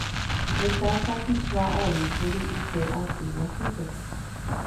Heta tapicha oĩkuri upe aty guasúpe.